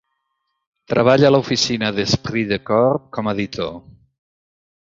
Treballa a l'oficina d'"Esprit de Corps" com editor.